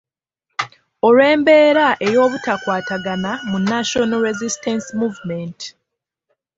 Olw’embeera ey’obutakwatagana mu National Resistance Movement.